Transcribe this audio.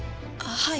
はい。